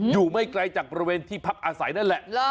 อยู่ไม่ไกลจากบริเวณที่พักอาศัยนั่นแหละ